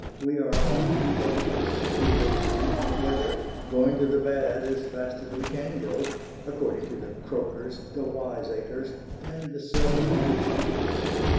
We are all Governments, people, and weather going to the bad as fast as we can go, according to the croakers, the wiseacres, and the self appointed prophets.